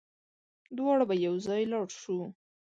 دواړه به يوځای لاړ شو